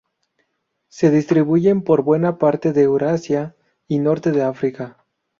Se distribuyen por buena parte de Eurasia y norte de África.